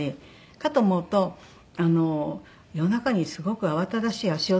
かと思うと夜中にすごく慌ただしい足音がして。